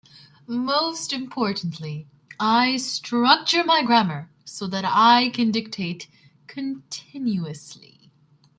Most importantly, I structure my grammar so that I can dictate continuously.